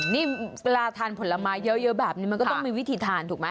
นี่เวลาทานผลไม้เยอะแบบนี้มันก็ต้องมีวิธีทานถูกไหม